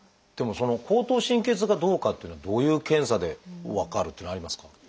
でもその後頭神経痛かどうかっていうのはどういう検査で分かるっていうのはありますか？